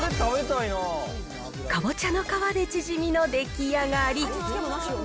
かぼちゃの皮でチヂミの出来上がり。